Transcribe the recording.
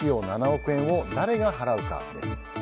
７億円を誰が払うかです。